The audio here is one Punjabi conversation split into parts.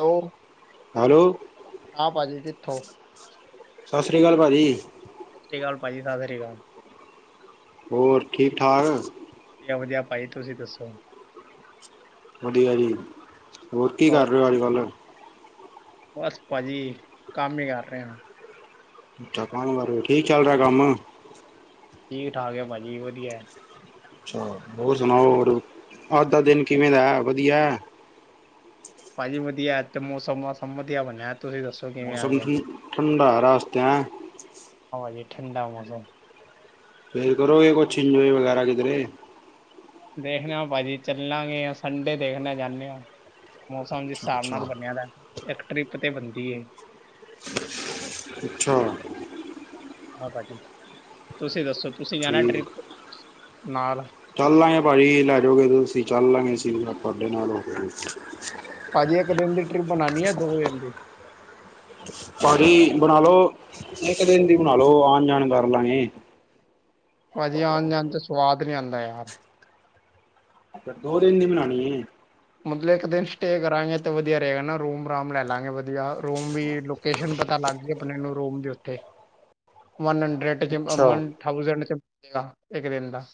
ਉਹ ਹੈਲੋ, ਹਾਂ ਭਾਜੀ ਕਿੱਥੋਂ ਸਤਿ ਸ੍ਰੀ ਅਕਾਲ ਭਾਜੀ। ਸਾਸਰੀ ਅਕਾਲ ਭਾਜੀ ਸਾਸਰੀ ਅਕਾਲ। ਹੋਰ ਠੀਕ ਠਾਕ? ਵਧੀਆ, ਵਧੀਆ, ਭਾਈ ਤੁਸੀਂ ਦੱਸੋ? ਵਧੀਆ ਜੀ, ਹੋਰ ਕੀ ਕਰ ਰਹੇ ਹੋ ਅਜ ਕੱਲ? ਬਸ ਭਾਜੀ ਕੰਮ ਹੀ ਕਰ ਰਹੇ ਆ। ਅੱਛਾ ਕੰਮ ਕਰ ਰਹੇਉ, ਠੀਕ ਚੱਲ ਰਿਹਾ ਕੰਮ? ਠੀਕ ਠਾਕ ਹੈ, ਭਾਜੀ ਵਧੀਆ ਹੈ। ਅੱ ਹੋਰ ਸੁਣਾਓ ਹੋਰ, ਅੱਜ ਦਾ ਦਿਨ ਕਿਵੇਂ ਦਾਏ ਵਧੀਆ ਏ? ਭਾਜੀ ਵਧੀਆ ਅਜ ਤੇ ਮੌਸਮ ਮੋਸਮ ਵਧੀਆ ਬਣਿਆ, ਤੁਸੀਂ ਦੱਸੋ? ਕਿਵੇਂ ਆ ਮੌਸਮ ਗਏ ਠੰਡਾ ਰਸਤੇ ਐ। ਹਵਾ ਜੇ ਠੰਡਾ ਮੌਸਮ। ਫਿਰ, ਕਰੋਗੇ ਕੁਝ ਇੰਜੋਏ ਵਗੈਰਾ ਕਿਧਰੇ? ਦੇਖਣੇ ਆ ਭਾਜੀ ਚੱਲਾਂਗੇ, ਸੰਡੇ ਦੇਖਨੇ ਆ ਜਾਨੇ ਆ। ਮੌਸਮ ਜਿਸ ਅੱਛਾ ਹਿਸਾਬ ਨਾਲ ਅੱਛਾ ਬਣਿਆ ਦਾਏ ਇੱਕ ਟਰਿਪ ਤੇ ਬਣਦੀ ਹੈ। ਅੱਛਾ। ਤੁਸੀਂ ਦੱਸੋ ਤੁਸੀਂ ਜਾਣਾ ਠੀਕ ਟ੍ਰਿਪ ਨਾਲ? ਚੱਲ ਲਾਂਗੇ ਭਾਜੀ ਲੈ ਜਾਓਗੇ ਤੁਸੀਂ ਚੱਲ ਲਾਂ ਗੇ ਸੀ ਤੁਹਾਡੇ ਨਾਲ ਹੋ। ਭਾਜੀ ਇੱਕ ਦਿਨ ਦੀ ਟਰਿਪ ਬਣਾਣੀ ਹੈ ਦੋ ਦਿਨ ਦੀ? ਪਾਈ ਬਨਾਲੋ ਇੱਕ ਦਿਨ ਦੀ ਬਣਾਲੋ ਆਣ ਜਾਣ ਕਰਲਾਗੇ। ਪਾਜੀ ਆਣ ਜਾਣ ਚ ਸਵਾਦ ਨੀ ਆਦਾ ਯਾਰ। ਦੋ ਦਿਨ ਦੀ ਮਨਾਉਣੀ ਏ। ਮਤਲਬ ਇੱਕ ਦਿਨ ਸਟੇ ਕਰਾਂਗੇ, ਤੇ ਵਧੀਆ ਰਹੇਗਾ ਨਾ ਰੂਮ ਰਾਮ ਲੈ ਲਾਗੇ ਵਧੀਆ ਰੂਮ ਵੀ ਲੂ ਕਿਸ਼ਨ ਪਤਾ ਲੱਗ ਜੇ ਆਪਣੇ ਨੂੰ ਰੋਮ ਦੇ ਉੱਤੇ ਵਨ ਹੰਡਰਡ, ਅੱਛਾ ਮਨ ਥਾਊਜਡ ਚ ਇੱਕ ਦਿਨ ਦਾ।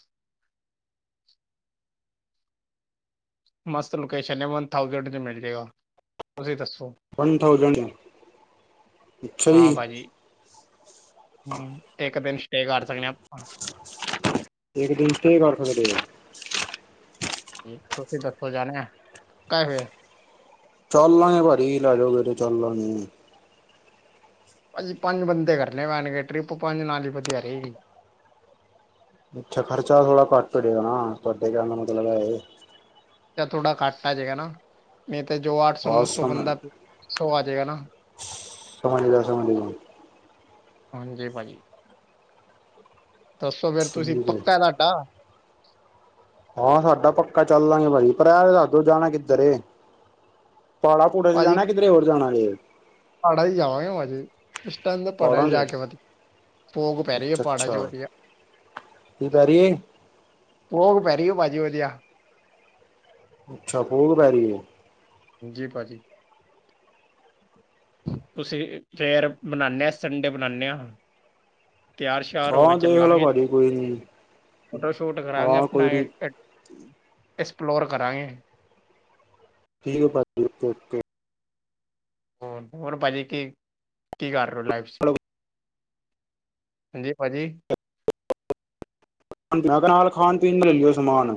ਮਸਤ ਲੋਕੇਸ਼ਨ ਏ, ਵਨ ਥਾਊਜੈਂਡ ਚ ਮਿਲ ਜੇਗਾ। ਤੁਸੀਂ ਦਸੋ? ਵਨ ਥਾਊਜੈਂਡ, ਅੱਛਾ ਜੀ। ਹੂੰ ਇੱਕ ਦਿਨ ਸਟੇ ਕਰ ਸਕਣੇ ਆਪਾ- ਏਕ ਦਿਨ ਕੀ ਕਰ ਸਕਦੇ ਓ? ਤੁਸੀਂ ਦਸੋ ਜਾਣੇ ਆ ਪੈਹੇ ਚਲਾਂਗੇ ਭਾਜੀ ਲੈ ਜਾਓਗੇ ਤੇ ਚਲਾਂਗੇ। ਭਾਜੀ ਪੰਜ ਬੰਦੇ ਕਰਨੇ ਪੈਣਗੇ, ਟ੍ਰਿਪ ਪੰਜ ਨਾਲ ਹੀ ਵਧੀਆ ਰਹੇਗੀ। ਅੱਛਾ ਖਰਚਾ ਥੋੜਾ ਘੱਟ ਹੋ ਜਾਏਗਾ, ਨਾ ਤੁਹਾਡੇ ਕਹਿਣ ਦਾ ਮਤਲਬ ਹੈ ਇਹ। ਥੋੜਾ ਘੱਟ ਪੈ ਜਾਏਗਾ, ਨਾ ਮੇ ਤੇ ਜੋ ਅੱਠ ਸੌ ਹਾਂ ਨੌ ਸੌ ਸਮ ਬੰਦਾ ਸਭ ਆ ਜਾਏਗਾ ਨਾ। ਸਮਝ ਗਿਆ ਸਮਝ। ਹਾਂਜੀ ਭਾਜੀ, ਦੱਸੋ ਫੇਰ ਤੁਸੀਂ ਠੀਕ ਹੈ ਪੱਕਾ ਤਾਂ ਤਾਂ। ਹਾਂ ਸਾਡਾ ਪੱਕਾ ਚੱਲਾਂਗੇ, ਭਾਜੀ ਪਰ ਅਹ ਤੇ ਦਸਦੋ ਜਾਣਾ ਕਿੱਧਰ ਏ? ਪਾਲਾ ਕੂੜੇ ਚ ਭਾਜੀ ਜਾਣਾ ਆ ਕਿਧਰੇ ਹੋਰ ਜਾਣਾ ਜੇ? [unintelligible] ਇਸ ਟਾਈਮ ਦਾ ਪਹਾੜਾਂ ਚ ਜਾਕੇ ਵਧੀਆ, ਫੋਗ ਪੈ ਰਹੀ ਐ ਅੱਛਾ ਪਹਾੜਾਂ ਚ ਅੱਛਾ ਵਧੀਆ। ਕੀ ਕੈਹ ਰਹੀ ਏ? ਐੱਸ ਪੈਰੀ ਏ ਪਾਜੀ ਵਧੀਆ। ਅੱਛਾ ਫੂਰ ਪੈਰੀ ਐ। ਜੀ ਪਾਜੀ। ਤੁਸੀਂ ਫਿਰ ਬਨਾਨੇ ਆ ਸੰਡੇ ਬਨਾਨੇ ਆ। ਤਿਆਰ ਸ਼ਯਾਰ ਹੋ ਕੇ ਹਾਂ ਦੇਖ ਲੋ ਚੱਲਾਂਗੇ। ਭਾਜੀ ਕੋਈ ਨੀ ਫੋਟੋ ਸ਼ੂਟ ਕਰਾਂਗੇ ਹਾਂ ਆਪਣਾ, ਕੋਈ ਨੀ ਐਕਸਪਲੋਰ ਕਰਾਂਗੇ। ਠੀਕ ਏ ਪਾਜੀ ਓਕੇ-ਓਕੇ ਹੋਰ ਹੋਰ ਭਾਜੀ ਕੀ, ਕੀ ਕਰ ਰਹੇ ਹੋ ਲਾਈਫ ਚ? ਹਾਂਜੀ ਪਾਜੀ। ਮੈਂ ਕਿਹਾ ਨਾਲ ਖਾਣ-ਪੀਣ ਨੂੰ ਲ ਲਇ ਓ ਸਮਾਨ।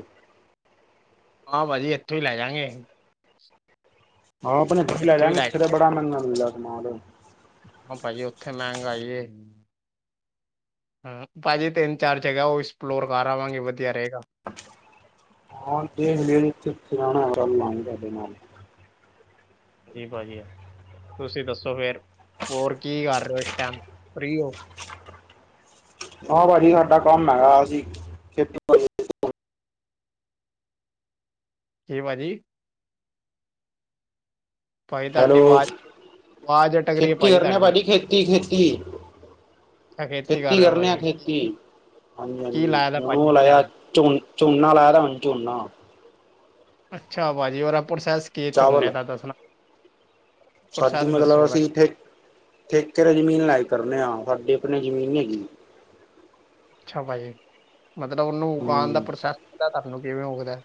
ਹਾਂ ਪਾਜੀ ਏਥੋ ਹੀ ਲੈ ਜਾਗੇ। ਇੱਥੋਂ ਹੀ ਲੈ ਜਾਾਂਗੇ [unintelligible] ਹਾਂ ਪਾਜੀ ਓਥੇ ਮਹਿੰਗਾਈ ਏ। ਹੂੰ ਪਾਜੀ ਤਿੰਨ-ਚਾਰ ਜਗ੍ਹਾ ਉਹ ਐਕਸਪਲੋਰ ਕਰ ਆਵਾਂਗੇ ਵਧੀਆ ਰਹੇਗਾ। [unintelligible] ਜੀ ਭਾਜੀ, ਤੁਸੀਂ ਦਸੋ ਫੇਰ ਹੋਰ ਕੀ ਕਰ ਰਹੇ ਓ, ਇਸ ਟਾਈਮ ਫਰੀ ਹੋ? ਨਾ ਪਾਜੀ ਸਾਡਾ ਕੰਮ ਹੈਗਾ, ਅਸੀਂ ਖੇਤੀਬਾੜੀ ਕਿ ਪਾਜੀ? ਭਾਈ ਤੁਹਾਡੀ ਹੈਲੋ, ਆਵਾਜ਼ ਆਵਾਜ਼ ਅਟਕ ਰਹੀ ਹੈ ਖੇਤੀ ਭਾਈ ਕਰਨੇ ਆ ਤੁਹਾਡੀ ਪਾਜੀ ਖੇਤੀ-ਖੇਤੀ ਅੱਛਾ ਕਰ ਖੇਤੀ ਰਹੇ ਹੋ ਕਰਨੇ ਆਂ ਭਾਈ ਕੀ ਖੇਤੀ ਕੀ ਹਾਂਜੀ-ਹਾਂਜੀ ਲਾਇਆ ਦਾ ਭਾਜੀ ਇਸ ਟਾਈਮ [unintelligible] ਝੋਨ ਝੋਨਾ ਲਾਯਾ ਦਾ ਹੁਨ ਝੋਨਾ ਅੱਛਾ ਪਾਜੀ ਔਰ ਪ੍ਰੋਸੈਸ ਕੀ ਝੋਨੇ ਚਾਵਲ ਦਾ ਦੱਸਣਾਂ। ਸਾਡੀ ਮਤਲੱਬ ਅਸੀਂ ਠੇ ਠੇਕੇ ਤੇ ਜ਼ਮੀਨ ਲੈਕੇ ਕਰਨੇ ਆ ਸਾਡੀੇ ਆਪਨੀ ਜ਼ਮੀਨ ਨੀ ਹੈਗੀ। ਅੱਛਾ ਪਾਜੀ ਮਤਲਬ ਉਹਨੂੰ ਹੂੰ ਉਗਾਨ ਦਾ ਪ੍ਰੋਸੈਸ ਪਤਾ ਤੁਹਾਨੂੰ ਕਿਵੇਂ ਉਗਦਾ?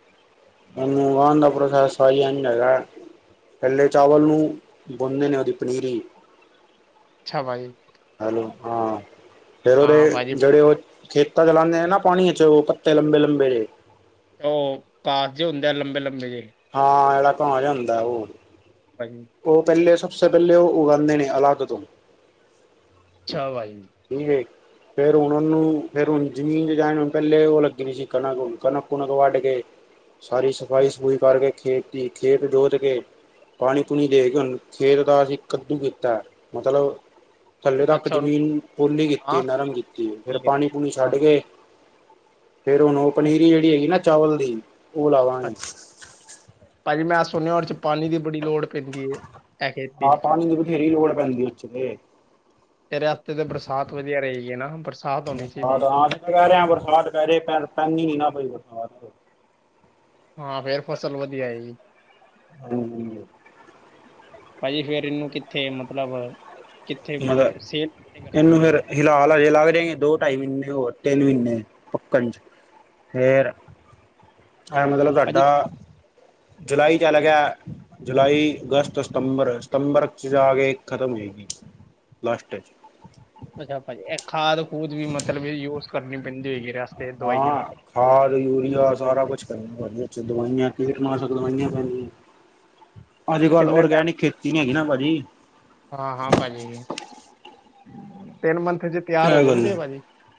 ਇਨੂ ਉਗਾਂਣ ਦਾ ਪ੍ਰੋਸੈਸ ਸਾਲੀ ਆਣੀ ਹੈਗਾ। ਪੈਲੇ ਚਾਵਲ ਨੂੰ ਉਗਾਂਦੇ ਨੇ ਉਹਦੀ ਪਨੀਰੀ। ਅੱਛਾ ਪਾਜੀ। ਹੈਲੋ, ਹਾਂ ਫੇਰ ਉਦੇ ਹਾਂ ਭਾਜੀ ਜੇੜੇ ਉਹ ਖੇਤਾਂ ਚ ਲਾਨੇ ਆ ਨਾ ਪਾਣੀ ਚ ਉਹ ਪੱਤੇ ਲੰਬੇ-ਲੰਬੇ ਓਹ ਤਾਰ ਜੇ ਹੁੰਦੇ ਆ ਲੰਬੇ-ਲੰਬੇ ਜੇਹ ਹਾਂ ਜਿਹੜਾ ਕਾ ਜਾ ਹੁੰਦਾ ਉਹ ਹਾਂਜੀ [inaudible] ਉਹ ਪਹਿਲੇ ਸਭ ਸੇ ਪਹਿਲੇ, ਉਹ ਉਗਾਦੇ ਨੇ ਅਲੱਗ ਤੋਂ। ਅੱਛਾ ਬਾਈ। [inaudible] ਫੇਰ ਹੁਣ ਉਹਨੂੰ, ਫਿਰ ਹੁਣ ਜ਼ਮੀਨ ਜ ਜਾ ਹੁਣ ਪਹਿਲੇ ਉਹ ਲੱਗਣੀ ਸੀ ਕਣਕ-ਕਣਕ ਕਉਂਕ ਵੱਢ ਕੇ। [inaudible] ਸਾਰੀ ਸਫ਼ਾਈ ਸਫੂਈ ਕਰਕੇ ਖੇਤ ਦੀ ਖੇਤ ਜੋੋਤ ਕੇ, ਪਾਣੀ ਪੂਣੀ ਦੇ ਕੇ ਹੁਣ, ਖੇਤ ਦਾ ਅਸੀਂ ਕੱਦੂ ਕੀਤਾ, ਮਤਲਬ ਥੱਲੇ ਤੱਕ ਅੱਛਾ ਉਹਨੂੰ ਜ਼ਮੀਨ ਪੌਲੀ ਹਾਂ ਕੀਤੀ, ਨਰਮ ਕੀਤੀ, ਫਿਰ ਠੀਕ ਹੈ। ਪਾਣੀ ਪੂਣੀ ਛੱਡ ਕੇ। ਫੇਰ ਹੁਣ ਉਹ ਪਨੀਰੀ ਜਿਹੜੀ ਹੈਗੀ ਨਾ, ਚਾਵਲ ਦੀ ਉਹ ਅੱਛਾ ਲਾਵਾਂਗੇ। ਭਾਜੀ ਮੈਂ ਸੁਣਿਆ, ਉਹਦੇ ਚ ਪਾਣੀ ਦੀ ਬੜੀ ਲੋੜ ਪੈਂਦੀ ਏ। ਹਾਂ ਪਾਣੀ ਦੀ ਬਥੇਰੀ ਲੋੜ ਪੈਂਦੀ ਹੈ, ਉਥੇ ਤੇ। ਰਸਤੇ ਤੇ ਬਰਸਾਤ ਵਧੀਆ ਰਹੇਗੀ ਨਾ, ਬਰਸਾਤ ਹੋਣੀ ਬਰਸਾਤ ਚਾਹੀਦੀ। ਹਾਂ ਅਸੀਂ ਕਹਿ ਰਿਹਾ ਬਰਸਾਤ ਪੇ ਜਾਵੇ, ਪਰ ਪੈਂਦੀ ਨਹੀ ਨਾ ਭਾਈ ਬਰਸਾਤ। ਹਾਂ ਫੇਰ ਫਸਲ ਵਧੀਆ ਆਏਗੀ। ਹਮ। ਭਾਜੀ ਫਿਰ ਇਹਨੂੰ ਕਿੱਥੇ ਮਤਲਬ, ਕਿੱਥੇ ਮਗਰ ਸੇਲ ਕਿੱਥੇ ਕਰਦੇ ਹੋ ਇਹਨੂੰ ਜੀ। ਫਿਰ ਫਿਲਹਾਲ ਹਜੇ ਲੱਗ ਜਾਏਗੇ, ਦੋ ਢਾਈ ਮਹੀਨੇ ਹੋਰ ਤਿੰਨ ਮਹੀਨੇ ਪੱਕਣ ਚ। ਫੇਰ, ਅ ਮਤਲਬ ਤੁਹਾਡਾ ਜੁਲਾਈ ਚੱਲ ਗਿਆ ਜੁਲਾਈ ਅਗਸਤ ਸਤੰਬਰ, ਸਤੰਬਰ ਚ ਜਾ ਕੇ ਖ਼ਤਮ ਹੋਏਗੀ। ਲਾਸਟ ਚ ਅੱਛਾ ਭਾਜੀ ਇਹ ਖਾਦ ਖੂਦ ਵੀ ਮਤਲਬ ਯੂਜ ਕਰਨੀ ਪੈਂਦੀ ਹੋਏਗੀ ਰਸਤੇ ਚ ਦਵਾਈਆਂ ਹਾਂ ਖਾਦ ਯੂਰੀਆ ਸਾਰਾ ਕੁਛ ਪੈਂਦਾ, ਵਿੱਚ ਦਵਾਈਆਂ ਕੀਟਨਾਸ਼ਕ ਦਵਾਈਆਂ ਪੈਂਦੀਆਂ [inaudible] ਅੱਜ ਕੱਲ੍ਹ ਔਰਗੈਨਿਕ ਖੇਤੀ ਨੀ ਹੈਗੀ ਨਾ ਭਾਜੀ ਹਾਂ-ਹਾਂ ਭਾਜੀ, ਤਿੰਨ ਮੰਥ ਚ ਆਹ ਗੱਲ ਏ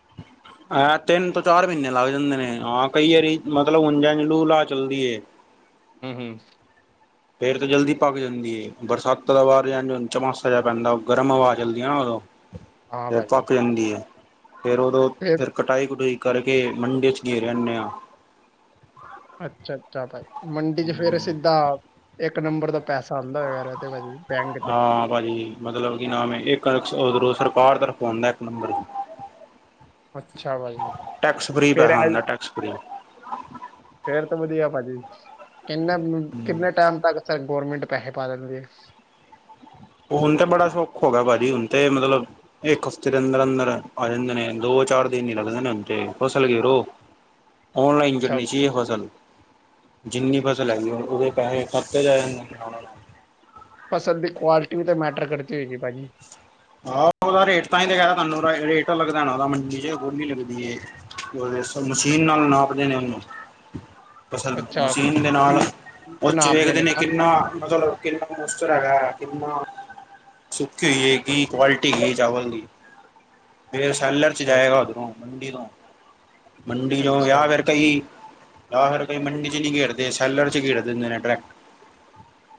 [inaudible] ਏ ਤਿੰਨ ਤੋਂ ਚਾਰ ਮਹੀਨੇ ਲੱਗ ਜਾਂਦੇ ਨੇ, ਆ ਕਈ ਵਾਰੀ ਮਤਲਬ ਉੰਜਾ ਇੰਜ ਲੂ ਲਾ ਚੱਲਦੀ ਏ। ਹਮ-ਹਮ ਫੇਰ ਤਾਂ ਜਲਦੀ ਪੱਕ ਜਾਂਦੀ ਏ, ਬਰਸਾਤਾਂ ਦਾ ਵਾਰ ਚਮਾਸਾ ਜਿਹਾ ਪੈਂਦਾ ਗਰਮ ਹਵਾ ਚੱਲਦੀ ਹੈ ਨਾ ਉਦੋਂ। [inaudible] ਫੇਰ ਪੱਕ ਜਾਂਦੀ ਹੈ, ਫੇਰ ਉਦੋਂ ਫਿਰ ਕਟਾਈ ਕਟੂਈ ਕਰਕੇ, ਮੰਡੀ 'ਚ ਗੇਰ ਆਨੇ ਆ। ਅੱਛਾ-ਅੱਛਾ ਭਾਈ, ਮੰਡੀ ਚ ਫਿਰ ਸਿੱਧਾ ਇੱਕ ਨੰਬਰ ਦਾ ਪੈਸਾ ਆਉਂਦਾ ਹੋਇ ਤੇ ਭਾਜੀ ਬੈਂਕ ਤੇ ਹਾਂ ਭਾਜੀ। ਮਤਲਬ ਕਿ ਹਾ ਇੱਕ ਉਧਰੋਂ ਸਰਕਾਰ ਤਰਫ ਆਉਂਦਾ ਇੱਕ ਨੰਬਰ ਅੱਛਾ ਭਾਜੀ ਟੈਕਸ ਫ੍ਰੀ ਪੈਸਾ ਹੁੰਦਾ, ਟੈਕਸ ਫ੍ਰੀ ਫੇਰ ਤਾਂ ਵਧੀਆ ਭਾਜੀ, ਕਿੰਨੇ ਕਿੰਨੇ ਟਾਈਮ ਤੱਕ ਗੌਰਰਮੈਂਟ ਪੈਸੇ ਪਾ ਦਿੰਦੀ ਹੈ। ਉਹ ਹੁਣ ਤੇ ਬੜਾ ਸੌਖਾ ਹੋ ਗਿਆ ਭਾਜੀ, ਹੁਣ ਤੇ ਮਤਲਬ ਇੱਕ ਹਫ਼ਤੇ ਦੇ ਅੰਦਰ-ਅੰਦਰ ਆ ਜਾਂਦੇ ਨੇ, ਦੋ ਚਾਰ ਦਿਨ ਹੀ ਲੱਗਦੇ ਨੇ ਤੇ ਫਸਲ [inaudible] ਔਨਲਾਈਨ ਅੱਛਾ ਗਿਰਨੀ ਚਾਹੀਏ ਫ਼ਸਲ ਜਿੰਨੀ ਫਸਲ ਅੱਛਾ ਹੈਗੀ ਉਹਦੇ ਪੈਸੇ। ਖਾਤੇ ਚ ਆ ਜਾਨੇ ਫਸਲ ਦੀ ਕੁਆਲਿਟੀ ਵੀ ਤਾਂ ਮੈਟਰ ਕਰਦੀ ਹੋਏਗੀ ਭਾਜੀ। ਆਹੋ ਉਹਦਾ ਰੇਟ ਤਾਂ ਹੀ ਕਹਿ ਰਿਹਾ ਤੁਹਾਨੂੰ ਰੇਟ ਲੱਗਦ। ਉਹਦਾ ਮੰਡੀ ਚ ਹੋਰ ਨੀ ਲੱਗਦੀ। ਉਹਦੇ ਮਸ਼ੀਨ ਨਾਲ ਨਾਪਦੇ ਨੇ ਉਹਨੂੰ। ਫਸਲ ਅੱਛਾ ਮਸ਼ੀਨ ਦੇ ਬੀਜ ਨਾਲ ਬੀਜ ਉੱਚ ਨਾਪਦੇ ਵੇਖਦੇ ਨੇ ਨਾ ਕਿੰਨਾ ਮਤਲਬ, ਕਿਨਾ ਮਸਤ ਹੇਗਾ ਕਿਨਾ ਸੁੱਕੀ ਹੋਈ ਇੱਕ ਕੀ ਕੁਆਲਿਟੀ ਕੀ ਚਾਵਲ ਦੀ। ਫਿਰ ਸੈਲਰ ਚ ਅੱਛਾ ਜਾਏਗਾ। ਉਧਰੋਂ ਮੰਡੀ ਤੋਂ। ਮੰਡੀ ਜੋ ਅੱਛਾ ਯ ਫਿਰ। ਕਈ ਔਰ ਕਈ ਮੰਡੀ ਚ ਨਹੀ ਗੇਰਦੇ ਸੈਲਰ ਚ ਗੇਰਦੇ ਨੇ ਡਰੈਕ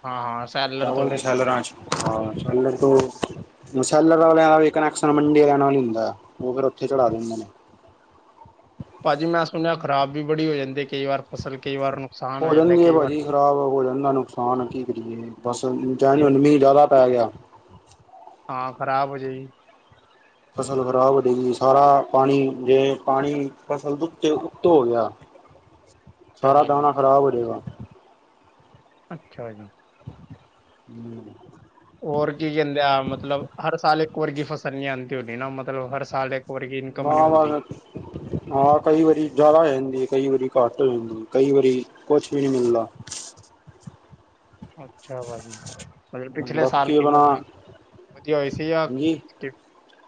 ਹਾਂ ਹਾਂ ਸੈਲਰ ਚਾਵਲ ਤੋਂ ਨੇ ਸੇਲਰਾ ਚ ਹਾਂ ਸੇਲਰ ਤੋ ਮਸੈਲਰ ਵਾਲਿਆਂ ਦਾ ਵੀ ਕਨੈਕਸ਼ਨ ਮੰਡੀ ਵਾਲੀਆ ਨਾਲ ਹੁੰਦਾ ਉਹ ਫੇਰ ਉੱਥੇ ਚੜਾ ਦਿੰਦੇ। ਨੇ। ਭਾਜੀ ਮੈਂ ਸੁਣਿਆ, ਖਰਾਬ ਵੀ ਬੜੀ ਹੋ ਜਾਂਦੀ ਕਈ ਵਾਰ ਫਸਲ ਕਈ ਵਾਰ ਨੂੰ। ਹੋ ਜਾਂਣਦੀ ਭਾਜੀ। ਖ਼ਰਾਬ ਹੋ ਜਾਂਦਾ ਨੁਕਸਾਨ ਕੀ ਕਰੀਏ ਬਸ ਕਈ ਵਾਰ ਮੀਂਹ ਜ਼ਿਆਦਾ ਪੈ ਗਿਆ ਹਾਂ ਖ਼ਰਾਬ ਹੋ ਜੀ ਫਸਲ ਖ਼ਰਾਬ ਹੋਜੇਗਈ ਸਾਰਾ ਪਾਣੀ ਜੇ ਪਾਣੀ ਫਸਲ ਦੇ ਉਤੇ ਹੋ ਗਿਆ। [inaudible] ਸਾਰਾ ਭਾਜੀ ਦਾਣਾ ਖ਼ਰਾਬ ਹੋ ਜਾਵੇਗਾ। ਅੱਛਾ। ਹਮ। ਹੋਰ ਕੀ ਕਹਿੰਦੇ ਆ ਮਤਲਬ ਹਰ ਸਾਲ ਇੱਕ ਵਰਗੀ ਫਸਲ ਨੀ ਆਉਂਦੀ ਹੋਣੀ ਨਾ ਮਤਲਬ ਹਰ ਸਾਲ ਇੱਕ, ਵਰਗੀ ਇਨਕਮ ਨਹੀਂ ਹਾਂ। ਵ ਹੁੰਦੀ ਗ। [inaudible] ਹਾਂ ਕਈ ਵਾਰੀ ਜ਼ਿਆਦਾ ਹੋ ਜਾਂਦੀ ਕਈ ਵਾਰੀ ਘੱਟ ਜਾਂਦੀ ਕਈ ਵਾਰੀ ਕੁਛ ਵੀ ਨਹੀਂ ਮਿਲਦਾ। ਅੱਛਾ ਭਾਜੀ ਮਤਲਬ ਪਿਛਲੇ ਸਾਲ ਬਾਕੀ ਕਿਵੇਂ ਆਪਣਾ ਦੇਖੇ ਵਧੀਆ ਹੋਈ ਸੀ ਯਾ ਹਾਂਜੀ ਸ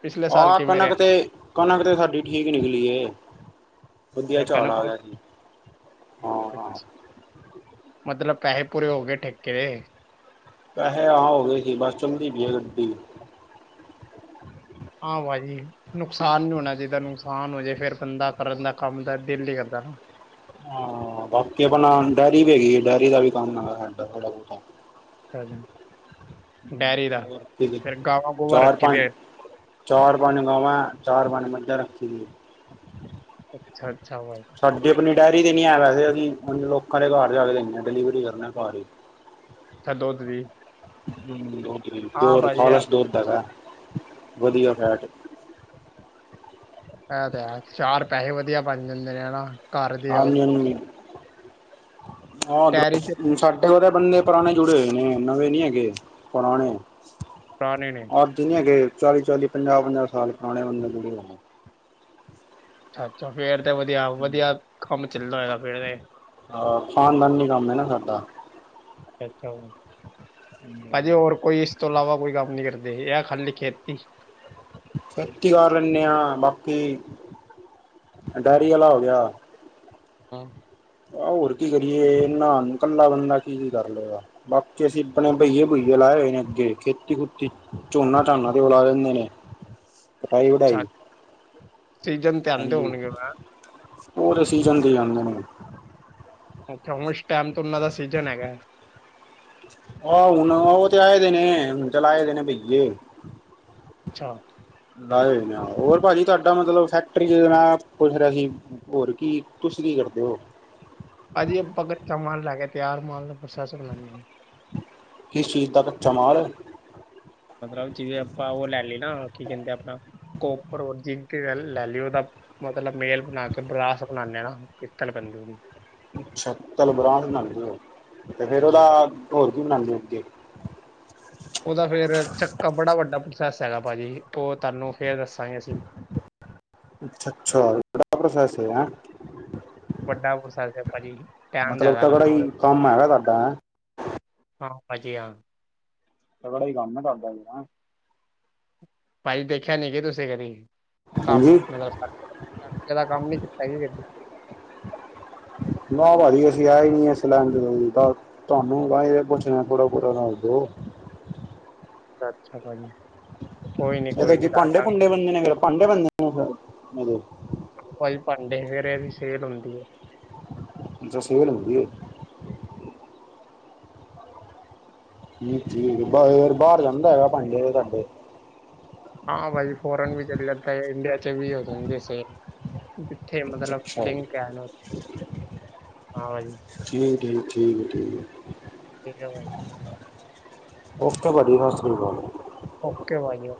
ਪਿਛਲੇ ਸਾਲ ਆਹ ਕੀਵੇ ਰਿਹਾ। ਕਣਕ ਤੇ ਕਣਕ ਤੇ ਸਾਡੀ ਠੀਕ ਈ ਨਿਕਲੀ ਏ। ਵਧੀਆ ਚਾੜ੍ਹ ਕਣਕ ਆ ਵਧ- ਗਿਆ ਸੀ ਹਾਂ। ਮਤਲਬ ਪੈਸੇ ਪੂਰੇ ਹੋ ਗਏ ਠੇਕੇ ਦੇ। ਪੈਸੇ ਆ ਹੋ ਗਏ ਸੀ ਬਸ ਚੱਲਦੀ ਵੀ ਹੈ ਗੱਡੀ। ਹਾਂ ਭਾਜੀ। ਨੁਕਸਾਨ ਨੀ ਹੋਣਾ ਚਾਹੀਦਾ। ਨੁਕਸਾਨ ਹੋ ਜੇ ਫਿਰ ਬੰਦਾ ਕਰਨ ਦਾ ਕੰਮ ਦਾ ਦਿਲ ਹੀ ਕਰਦਾ ਨਾ। ਹਾਂ ਬਾਕੀ ਆਪਣਾ ਡਾਇਅਰੀ ਵੀ ਹੈਗੀ ਹੈ ਡਾਇਅਰੀ ਦਾ ਵੀ ਕੰਮ ਹੈਗਾ ਸਾਡਾ ਥੋੜਾ ਬਹੁਤਾ। ਅੱਛਾ ਜੀ। ਡੈਰੀ ਦਾ ਹੋਰ ਕਿਦੇ ਫਿਰ ਗਾਵਾਂ ਗੋਵਾ ਚਾਰ ਰੱਖੀ ਪੰਜ। ਦੇ ਚਾਰ ਪੰਜ ਗਾਵਾਂ ਚਾਰ ਪੰਜ ਮੱਝਾਂ ਰੱਖੀ ਦੀ ਹੈ। ਅੱਛਾ, ਅੱਛਾ। ਸਾਡੀ ਆਪਣੀ ਡਾਇਅਰੀ ਤੇ ਨੀ ਹੈ ਵੈਸੇ ਅਸੀਂ ਲੋਕਾਂ ਦੇ ਘਰ ਜਾ ਕੇ ਦੇਦੇ ਆ ਡਿਲੀਵਰੀ ਕਰਨੇ ਘਰ ਹੀ। ਅੱਛਾ ਦੂਧ ਦੀ। ਹਮ ਹਾਂ ਪਓਰ ਭਾਜੀ ਯਾਰ ਫਾਲਸ ਦੂਧ ਹੇਗਾ ਵਧੀਆ ਫੈਟ। ਇਹ ਤੇ ਹੈ ਚਾਰ ਪੈਸੇ ਵਧੀਆ ਬਣ ਜਾਂਦੇ ਨੇ ਹਨਾ। ਹਾਂਜੀ ਹਾਂਜੀ ਹਾ ਡੈਰੀ ਚ ਉਹਦਰ ਸਾਡੇ ਇਹ ਉਹਦੇ ਬੰਦੇ ਪੁਰਾਣੇ ਜੁੜੇ ਹੋਏ ਨੇ ਨਵੇਂ ਨੀ ਹੈਗੇ ਪੁਰਾਣੇ। ਪੁਰਾਣੇ ਨੇ ਆ ਜਿਨੇ ਹੇਗੇ ਚਾਲੀ ਚਾਲੀ ਪੰਜਾਹ ਪੰਜਾਹ ਸਾਲ ਪੁਰਾਣੇ ਬੰਦੇ ਜਿਹੜੇ। ਅੱਛਾ ਅੱਛਾ ਫੇਰ ਤਾਂ ਵਧੀਆ ਵਧੀਆ ਕੰਮ ਚੱਲਦਾ ਹੋਏਗਾ ਫੇਰ ਤੇ। ਹਾ ਖਾਨਦਾਨੀ ਨੀ ਕੰਮ ਹੈ ਨਾ ਸਾਡਾ। ਇਥੇ ਆੳ ਭਾਅ ਜੀ ਹੋਰ ਕੋਈ ਇਸ। ਇਸ ਤੋਂ ਇਲਾਵਾ ਕੋਈ ਕੰਮ ਨੀ ਕਰਦੇ ਇਹ ਆ ਖਾਲੀ ਖੇਤੀ ਖੇਤੀ ਕਰ ਲੈਂਨ ਆ ਬਾਕੀ ਡੇਅਰੀ ਵਾਲਾ ਹੋ ਗਿਆ। ਹਾਂ। ਆ ਹੋਰ ਕੀ ਕਰੀਏ ਇਹਨਾਂ ਇਕੱਲਾ ਬੰਦਾ ਕੀ ਕੀ ਕਰ ਲਏਗਾ ਗਾ। ਬਾਕੀ ਅਸੀਂ ਆਪਣੇ ਭਈਏ ਭੁਈਏ ਲਾਏ ਹੋਏ ਨੇ ਅੱਗੇ ਖੇਤੀ ਖੁਤੀ ਝੋਨਾ ਝਾਨਾ ਤੇ ਉਹ ਲਾ ਲਿੰਦੇ ਨੇ। ਹ। [inaudible] ਕਟਾਈ ਵਢਾਈ ਸੀਜਨ। ਹਾਂਜੀ ਹੋਰ ਸੀਜਨ ਤੇ ਆਂਦੇ ਨੇ। ਅੱਛਾ ਹੁਣ ਇਸ ਟਾਈਮ ਤੋਂ ਉਹਨਾਂ ਦਾ ਸੀਜਨ ਹੈਗਾ। ਹੋ ਹੁਣ ਉਹ ਤੇ ਆਏ ਦੇ ਨੇ ਹੁਣ ਚਲਾਏ ਦੇਣੇ ਦੇ ਨੇ ਬਈਏ। ਅੱਛਾ। ਲਾਏ ਹੋਏ ਨੇ ਹੋਰ ਭਾਜੀ ਤੁਹਾਡਾ ਮਤਲਬ ਫੈਕਟਰੀ ਜੋਂ ਮੈਂ ਪੁੱਛ ਰਿਹਾ ਸੀ। ਹੋਰ ਕੀ ਤੁਸੀ ਕੀ ਕਰਦੇ ਹੋ। ਭਾਜੀ ਆਪਾ ਕਚਾ ਮਾਲ ਲੈ ਕੇ ਤਿਆਰ ਮਾਲ ਨੂੰ ਪ੍ਰੋਸੇਸ ਕਰਾਣੇ ਇਸ ਚੀਜ਼ ਦਾ ਕੱਚਾ ਮਾਲ ਹੈ। ਮਤਲਬ ਜਿਵੇਂ ਆਪਾਂ ਉਹ ਲੈ ਲਈ ਨਾ ਕੀ ਕਹਿੰਦੇ ਆਪਣਾ ਕੋਪਰ ਔਰ ਜਿੰਕ ਲੈ ਲਈ ਉਹਦਾ। ਮਤਲਬ ਮੈਲ ਬਣਾ ਕੇ ਬਰਾਸ ਬਣਾਉਂਦੇ ਹਣਾ ਪਿੱਤਲ ਬੰਨ੍ਹ ਜੁਗੀ। ਅੱਛਾ ਤਲ ਬਰਾ ਬਣਾਉਦੇਓ ਤੇ ਫੇਰ ਉਹਦਾ ਉਹਦੀ ਪ- ਹੋਰ ਕੀ ਬਣਾਦੇਓ ਅੱਗੇ? ਉਹਦਾ ਫੇਰ ਚੱਕਾ ਬੜਾ ਵੱਡਾ ਪ੍ਰੋਸੈਸ ਹੈਗਾ ਭਾਜੀ ਉਹ ਤੁਹਾਨੂੰ ਫੇਰ ਦੱਸਾਂਗੇ ਅਸੀਂ। ਅੱਛਾ ਅੱਛਾ ਬੜਾ ਵੱਡਾ ਪ੍ਰੋਸੈਸ ਏ ਹੈ। ਵੱਡਾ ਪ੍ਰੋਸੈਸ ਹੈ ਭਾਜੀ ਟਾਇਮ ਮਤਲਬ ਜਿਆਦਾ ਤਗੜਾ ਲੱਗਣਾ। ਹੀ ਕੰਮ ਹੈਗਾ ਤੁਹਾਡਾ ਹੈਂ ਹਾਂ ਭਾਜੀ ਹਾਂ। ਬੜੀ ਗਮੇ ਕਰੱਦਾ। [inaudible] ਭਾਜੀ ਦੇਖਿਆ ਨੀ ਕੀ ਤੁਸੀਂ ਕਦੇ ਕੰਮ ਮਤਲਬ ਫੈਕਟਰੀ ਦਾ ਕੰਮ ਨੀ ਕੀਤਾ ਕਦੀ। ਨਾ ਭਾਜੀ ਅਸੀਂ ਆਏ ਹੀ ਨੀ ਇਸ ਲੈਣ ਚ। ਤੁਹਾਨੂੰ ਬਈ ਪੁੱਛਣਾ ਥੋੜਾ ਬਹੁਤਾ ਦੱਸ ਦਿਓ? ਅੱਛਾ ਭਾਾਈ। ਇਹਦਾ ਕੀ ਭਾਂਡੇ ਭੁੰਡੇ ਮਾਂਜਣੇ ਹੁਣ ਭਾਂਡੇ ਮਾਂਜਣੇ? ਭਾਜੀ ਭਾਂਡੇ ਫੇਰ ਇਹਦੀ ਸੇਲ ਹੁੰਦੀ ਹੈ। ਦਸ ਗਲ ਹੁੰਦੀਏ। ਠੀਕ, ਠੀਕ ਬਾਹਰ ਜਾਂਦਾ ਹੈਗਾ ਭਾਂਡੇ ਤੁਹਾਡੇ। ਹਾਂ ਬਾਈ ਫੋਰਨ ਵੀ ਚੱਲ ਜਾਂਦਾ ਹੈ ਇੰਡੀਆ ਚ ਵੀ ਹੋ ਜਾਂਦੀ ਸੇਲ। ਉੱਥੇ ਮਤਲਬ ਅੱਛਾ ਲਿੰਕ ਹੈ ਹਾਂ ਜੀ। ਚੀਪ ਹੈ ਚੀਪ ਮਟੀਰੀਅਲ। । [inaudible] [inaudible] ਓਕੇ ਭਾਜੀ।